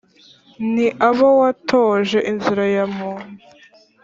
Ni abo watoje inzira ya muntu